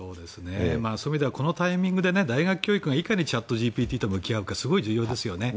そういう意味ではこの時期、大学がいかにチャットＧＰＴと向き合うか重要ですよね。